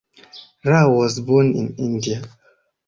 Rao was born in India.